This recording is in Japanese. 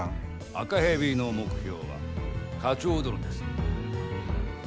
赤蛇の目標は課長殿です。